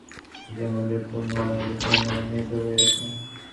শিশুর মধ্যেই পূর্ণ মানবের সম্ভাবনা নিহিত রহিয়াছে।